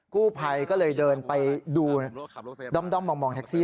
กู้ภัยก็เลยเดินไปดูด้อมมองแท็กซี่